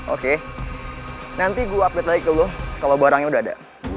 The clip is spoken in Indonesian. oke nanti gue update lagi ke lo kalau barangnya udah ada